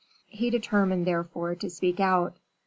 He determined, therefore, to speak out.